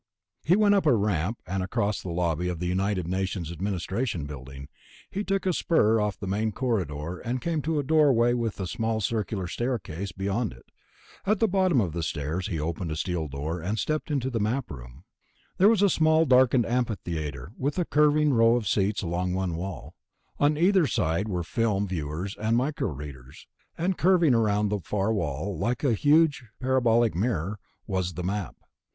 He went up a ramp and across the lobby of the United Nations Administration Building. He took a spur off the main corridor, and came to a doorway with a small circular staircase beyond it. At the bottom of the stairs he opened a steel door and stepped into the Map Room. It was a small darkened amphitheater, with a curving row of seats along one wall. On either side were film viewers and micro readers. And curving around on the far wall, like a huge parabolic mirror, was the Map.